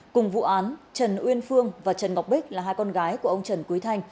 cùng vụ án trần uyên phương và trần ngọc bích là hai con gái của ông trần quý thanh